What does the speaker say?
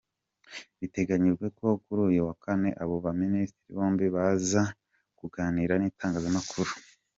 Biteganiyijwe ko kuri uyu wa Kane abo baminisitiri bombi baza kuganira n’itangazamakuru.